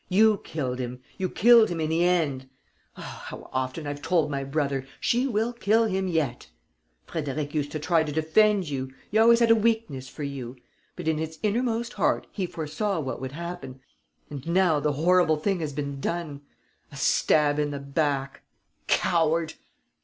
You killed him! You killed him in the end!... Ah, how often I've told my brother, 'She will kill him yet!' Frédéric used to try to defend you. He always had a weakness for you. But in his innermost heart he foresaw what would happen.... And now the horrible thing has been done. A stab in the back! Coward!